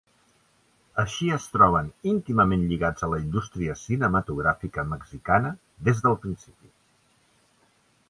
Així es troben íntimament lligats a la indústria cinematogràfica mexicana des del principi.